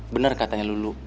bener katanya lulu